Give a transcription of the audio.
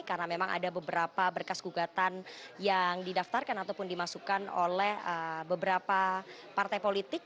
karena memang ada beberapa berkas gugatan yang didaftarkan ataupun dimasukkan oleh beberapa partai politik